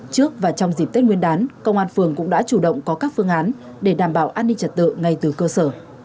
trước và trong dịp tết nguyên đán công an phường cũng đã chủ động có các phương án để đảm bảo an ninh trật tự ngay từ cơ sở